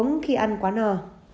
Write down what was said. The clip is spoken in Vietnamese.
không uống khi ăn quá no